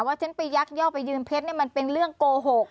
ว่าฉันไปยักษ์เยาว์ไปยืนเพชรมันเป็นเรื่องโกหก